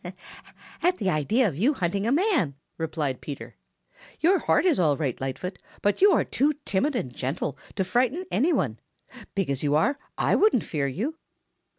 "At the idea of you hunting a man," replied Peter. "Your heart is all right, Lightfoot, but you are too timid and gentle to frighten any one. Big as you are I wouldn't fear you."